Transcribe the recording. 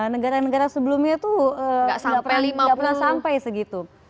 negara negara sebelumnya tuh gak pernah sampai segitu